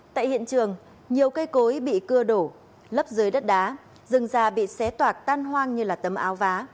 tại hiện trường nhiều cây cối bị cưa đổ lấp dưới đất đá rừng già bị xé toạc tan hoang như là tấm áo vá